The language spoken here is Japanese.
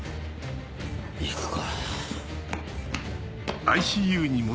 行くか。